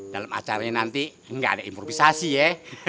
dalam acaranya nanti nggak ada improvisasi ya